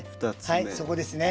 はいそこですね